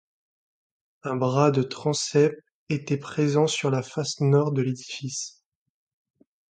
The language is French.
Un bras de transept était présent sur la face nord de l'édifice.